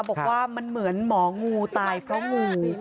บอกว่ามันเหมือนหมองูตายเพราะงู